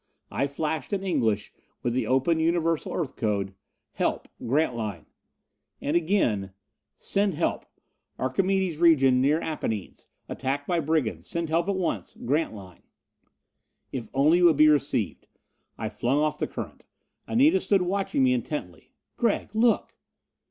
I flashed in English, with the open Universal Earth code: "Help! Grantline." And again: "Send help! Archimedes region near Apennines. Attacked by brigands. Send help at once! Grantline!" If only it would be received! I flung off the current. Anita stood watching me intently. "Gregg, look!"